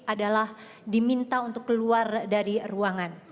adalah diminta untuk keluar dari ruangan